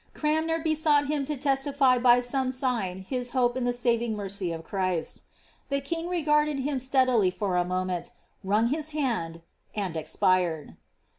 Cranmer besought him to testify by some sign his hope in the ■ving mercy of ChrisL The king regarded him steadily for a moment, mmg his hand, and expired.